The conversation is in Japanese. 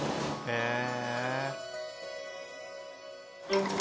へえ！